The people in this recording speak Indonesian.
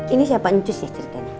ini siapa incus ya ceritanya